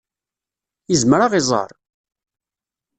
Yezmer ad ɣ-iẓer?